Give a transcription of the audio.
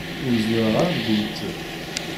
Ur ẓwireɣ ara deg umettel.